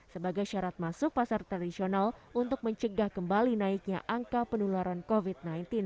sebagai syarat masuk pasar tradisional untuk mencegah kembali naiknya angka penularan covid sembilan belas